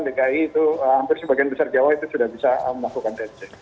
jadi itu hampir sebagian besar jawa itu sudah bisa melakukan tnc